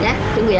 ya tunggu ya